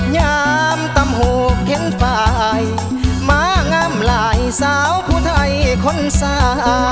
ยามตำโหกเข็นฝ่ายมาง่ำหลายสาวผู้ไทยคนสา